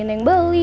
kata dining beli